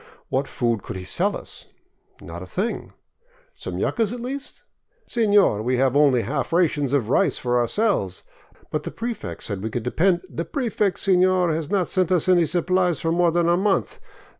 What food could he sell us ? Not a thing. Some yucas, at least ? Seiior, we have only half rations of rice for ourselves. But the prefect said we could depend ... The prefect, sefior, has not sent us any supplies for more than a month.